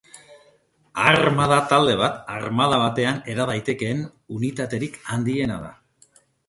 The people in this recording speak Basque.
Armada talde bat, armada batean era daitekeen unitaterik handiena da.